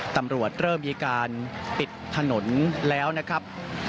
ตำรวจเริ่มมีการปิดถนนแล้วนะครับ